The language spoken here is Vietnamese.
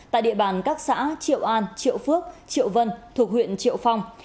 tại địa bàn các xã triệu an triệu phước triệu vân thuộc huyện triệu phong